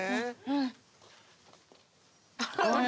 うん。